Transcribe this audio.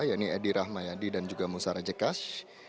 ya ini edi rahmayadi dan juga musara jekas